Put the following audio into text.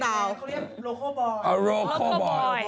เขาเรียกโรโคบอย